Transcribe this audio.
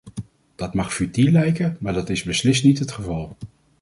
Dit mag futiel lijken, maar dat is beslist niet het geval.